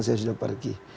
saya sudah pergi